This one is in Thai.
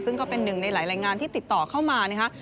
ซึ่งก็เป็นหนึ่งในหลายรายงานที่ติดต่อเข้ามานะคะ